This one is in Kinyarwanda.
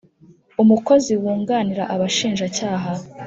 Umukozi wunganira abashinjacyaha